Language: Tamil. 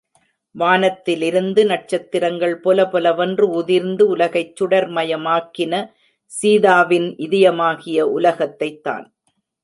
வானத்திலிருந்து நட்சத்திரங்கள் பொலபொலவென்று உதிர்ந்து உலகைச் சுடர் மயமாக்கின! சீதாவின் இதயமாகிய உலகத்தைத் தான்!